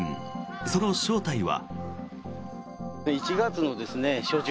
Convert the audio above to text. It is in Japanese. その正体は。